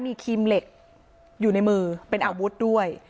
มีครีมเหล็กอยู่ในมือเป็นอาวุธด้วย